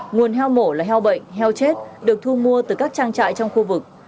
nguồn heo mổ là heo bệnh heo chết được thu mua từ các trang trại trong khu vực